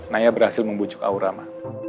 naya berhasil membucuk aura ma